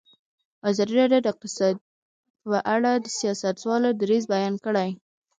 ازادي راډیو د اقتصاد په اړه د سیاستوالو دریځ بیان کړی.